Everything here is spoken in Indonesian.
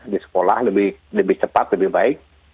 di sekolah lebih cepat lebih baik